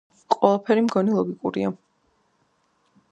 ყველაფერი მგონი ლოგიკურია.